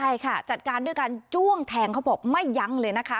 ใช่ค่ะจัดการด้วยการจ้วงแทงเขาบอกไม่ยั้งเลยนะคะ